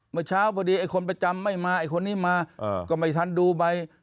เมื่อเช้าพอดีไอ้คนประจำไม่มาไอ้คนนี้มาก็ไม่ทันดูไป